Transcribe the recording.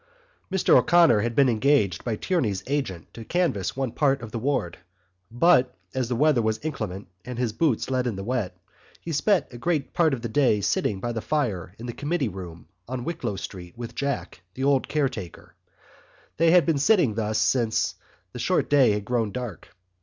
Mr O'Connor had been engaged by Tierney's agent to canvass one part of the ward but, as the weather was inclement and his boots let in the wet, he spent a great part of the day sitting by the fire in the Committee Room in Wicklow Street with Jack, the old caretaker. They had been sitting thus since the short day had grown dark.